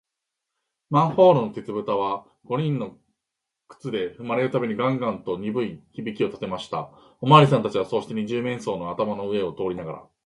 マンホールの鉄ぶたは、五人の靴でふまれるたびに、ガンガンとにぶい響きをたてました。おまわりさんたちは、そうして、二十面相の頭の上を通りながら、